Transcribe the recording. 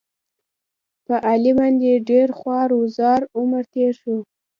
په علي باندې ډېر خوار او زار عمر تېر شو.